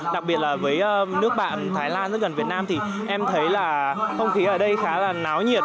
đặc biệt là với nước bạn thái lan rất gần việt nam thì em thấy là không khí ở đây khá là náo nhiệt